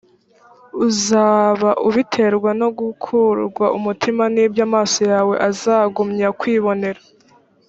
uzaba ubiterwa no gukurwa umutima n’ibyo amaso yawe azagumya kwibonera.